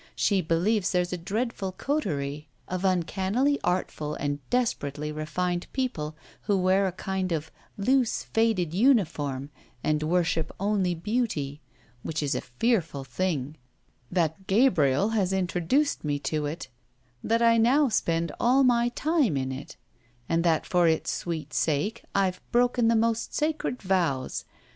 She believes there's a dreadful coterie of uncannily artful and desperately refined people who wear a kind of loose faded uniform and worship only beauty which is a fearful thing; that Gabriel has introduced me to it; that I now spend all my time in it, and that for its sweet sake I've broken the most sacred vows.